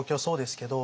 けど